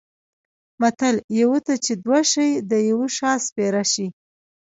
متل: یوه ته چې دوه شي د یوه شا سپېره شي.